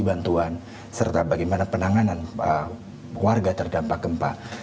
bantuan serta bagaimana penanganan warga terdampak gempa